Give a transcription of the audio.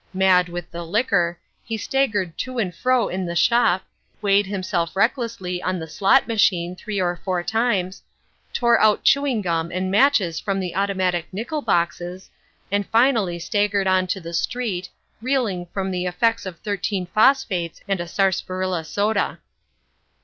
Mad with the liquor, he staggered to and fro in the shop, weighed himself recklessly on the slot machine three or four times, tore out chewing gum and matches from the automatic nickel boxes, and finally staggered on to the street, reeling from the effects of thirteen phosphates and a sarsaparilla soda.